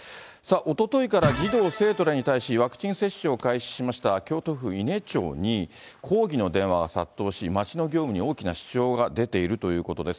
おとといから児童・生徒らに対し、ワクチン接種を開始しました京都府伊根町に、抗議の電話が殺到し、町の業務に大きな支障が出ているということです。